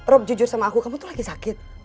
rob jujur sama aku kamu tuh lagi sakit